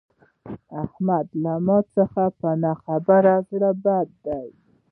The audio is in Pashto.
احمد له ما څخه په نه خبره زړه بد کړ.